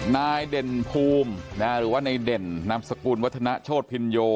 เด่นภูมิหรือว่าในเด่นนามสกุลวัฒนาโชธพินโย